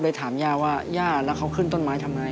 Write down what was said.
ถามย่าว่าย่าแล้วเขาขึ้นต้นไม้ทำไง